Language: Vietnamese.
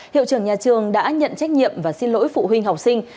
hiệu trưởng nhà trường đã nhận trách nhiệm và xin lỗi phụ huynh học sinh